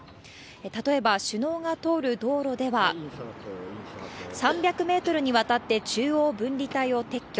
例えば首脳が通る道路では、３００メートルにわたって中央分離帯を撤去。